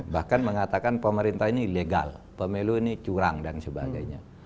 bahkan mengatakan pemerintah ini legal pemilu ini curang dan sebagainya